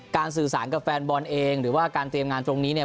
สื่อสารกับแฟนบอลเองหรือว่าการเตรียมงานตรงนี้เนี่ย